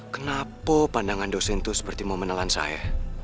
kenapa pandangan dosen itu seperti mau menelan saya